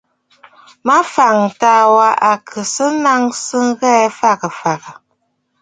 Mafàgə̀ taà wa à kɨ̀ sɨ́ nàŋə̀ ŋghɛɛ fagə̀ fàgə̀.